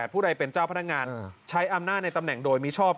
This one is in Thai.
ผู้ใดเป็นเจ้าพนักงานใช้อำนาจในตำแหน่งโดยมิชอบ